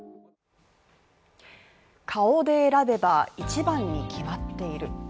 顔で選べば一番に決まっている。